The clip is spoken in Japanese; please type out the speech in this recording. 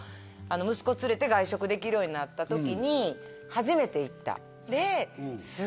息子連れて外食できるようになった時に初めて行ったです